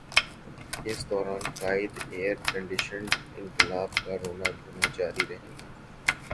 اس دوران قائد ائیرکنڈیشنڈ انقلاب کا رونا دھونا جاری رہے گا۔